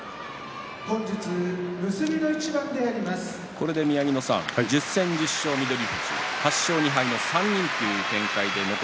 これで宮城野さん１０戦１０勝、翠富士８勝２敗で３人です。